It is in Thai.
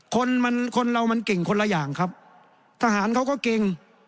คนมันคนเรามันเก่งคนละอย่างครับทหารเขาก็เก่ง